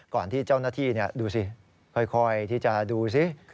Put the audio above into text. ก่อนที่เจ้าหน้าที่ดูสิค่อยที่จะดูสิ